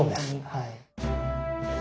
はい。